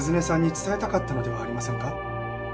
伝えたかったのではありませんか？